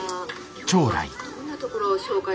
今日はどんなところを紹介。